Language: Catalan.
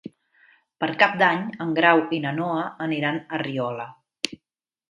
Per Cap d'Any en Grau i na Noa aniran a Riola.